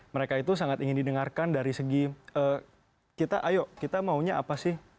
mereka itu sangat ingin didengarkan dari segi kita ayo kita maunya apa sih